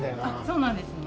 そうなんですね。